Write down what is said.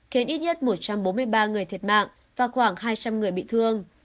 khiến ít nhất một trăm bốn mươi ba người thiệt mạng và khoảng hai trăm linh người bị thương